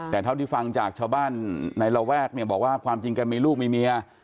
แต่เท่าที่ฟังจากชาวบ้านในระแวกเนี่ยบอกว่าความจริงแกมีลูกมีเมีย